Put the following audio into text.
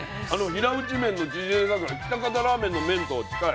平打ち麺の縮れ方が喜多方ラーメンの麺と近い。